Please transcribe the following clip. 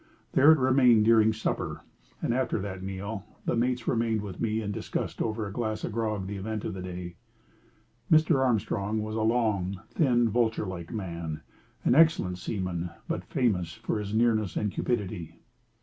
There it remained during supper, and after that meal the mates remained with me, and discussed over a glass of grog the event of the day. Mr. Armstrong was a long, thin, vulture like man, an excellent seaman, but famous for his nearness and cupidity.